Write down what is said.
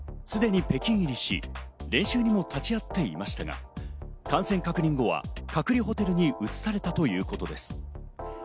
すでに北京入りし、練習にも立ち会っていましたが、感染確認後は隔離ホテルに移されたということです。